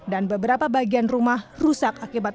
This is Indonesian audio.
dan beberapa bagian rumahnya masih diberi penyelamat